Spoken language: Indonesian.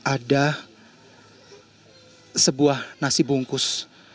ada sebuah nasi bungkus